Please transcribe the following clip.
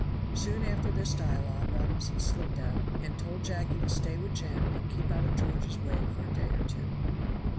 Soon after this dialogue Robinson slipped out, and told Jacky to stay with Jem and keep out of George's way for a day or two.